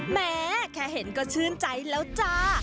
แม้แค่เห็นก็ชื่นใจแล้วจ้า